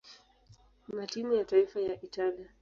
na timu ya taifa ya Italia.